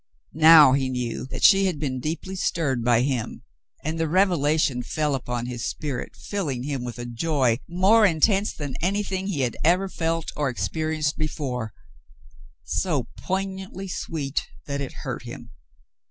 Now he knew that she had been deeply stirred by him, and the revelation fell upon his spirit, filling him with a joy more intense than anything he had ever felt or ex perienced before, so poignantly sweet that it hurt him.